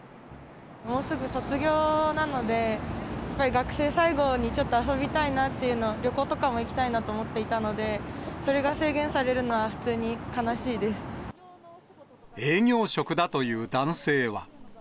もうすぐ卒業なので、やっぱり学生最後にちょっと遊びたいなっていうの、旅行とかも行きたいなと思っていたので、それが制限されるのは普通に悲し営業職だという男性は。